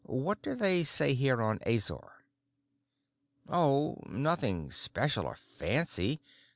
What do they say here on Azor?" "Oh—nothing special or fancy.